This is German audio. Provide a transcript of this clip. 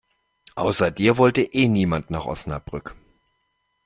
Außer dir wollte eh niemand nach Osnabrück.